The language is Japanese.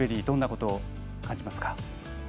どんなことを感じますか。